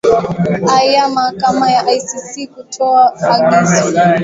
a ya mahakama ya icc kutoa agizo